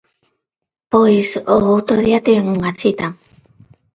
Pois... o outro día tiven unha cita.